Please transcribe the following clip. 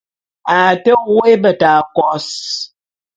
A te woé beta kôs.